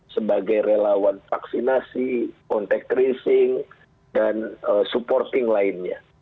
sebagai relawan vaksinasi contact tracing dan supporting lainnya